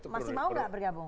masih mau gak bergabung